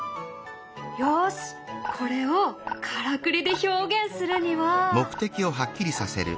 よしこれをからくりで表現するには。